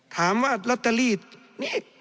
ถามว่าลอตเตอรี่นี้